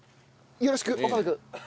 よろしく岡部君。